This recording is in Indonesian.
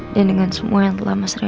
dan dengan semua yang telah masra